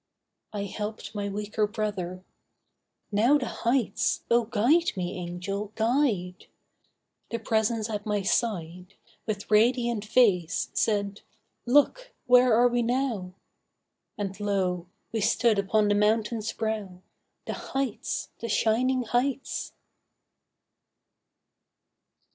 I helped my weaker brother. 'Now the heights; Oh, Guide me, Angel, guide!' The Presence at my side, With radiant face, said, 'Look, where are we now?' And lo! we stood upon the mountain's brow— The heights, the shining heights!